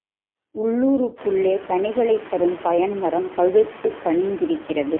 உள்ளூருக்குள்ளே, கனிகளைத்தரும் பயன்மரம் பழுத்துக் கனிந்திருக்கிறது.